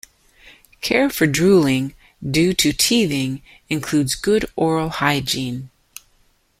Care for drooling due to teething includes good oral hygiene.